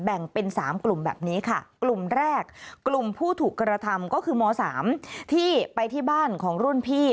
แบ่งเป็นสามกลุ่มแบบนี้ค่ะกลุ่มแรกกลุ่มผู้ถูกกระทำก็คือม๓ที่ไปที่บ้านของรุ่นพี่